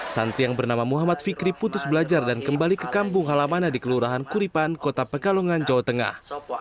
santri yang bernama muhammad fikri putus belajar dan kembali ke kampung halamannya di kelurahan kuripan kota pekalongan jawa tengah